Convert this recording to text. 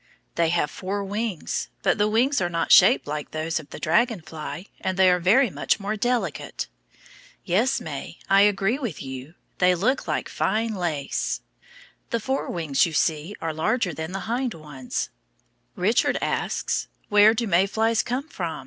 They have four wings, but the wings are not shaped like those of the dragon fly, and they are very much more delicate. [Illustration: DRAGON FLY WINGS.] [Illustration: MAY FLY WINGS.] Yes, May, I agree with you, they look like fine lace. The fore wings, you see, are larger than the hind ones. Richard asks, "Where do May flies come from?